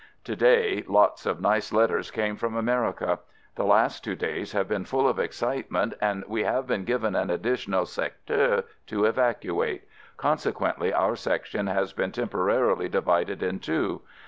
To day, lots of nice letters came from America. The last two days have been full of excitement and we have been given an additional secteur to evacuate; conse quently our Section has been temporarily 142 AMERICAN AMBULANCE divided in two.